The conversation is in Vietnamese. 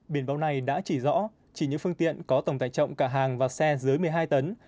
biển báo này đã chỉ rõ chỉ những phương tiện có tổng tải trọng cả hàng và xe dưới một mươi hai tấn